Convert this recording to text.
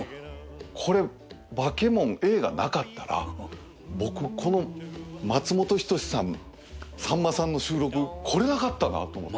これ『バケモン』映画なかったら僕この松本人志さんさんまさんの収録来られなかったなと思って。